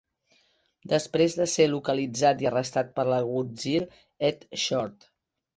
Després de ser localitzat i arrestat per l'algutzir Ed Short.